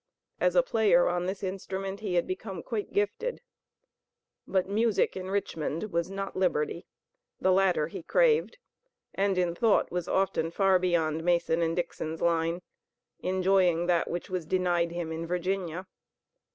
As a player on this instrument he had become quite gifted, but music in Richmond was not liberty. The latter he craved, and in thought was often far beyond Mason and Dixon's line, enjoying that which was denied him in Virginia.